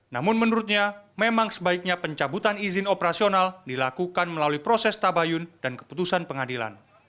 namun menurutnya memang sebaiknya pencabutan izin operasional dilakukan melalui proses tabayun dan keputusan pengadilan